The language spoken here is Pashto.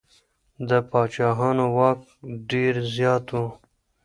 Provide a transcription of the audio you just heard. د پاچاهانو واک ډېر زيات و.